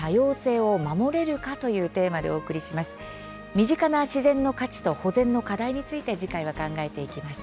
身近な自然の価値と保全の課題について考えます。